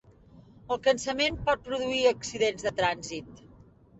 El cansament pot produir accidents de trànsit